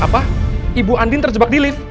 apa ibu andin terjebak di lift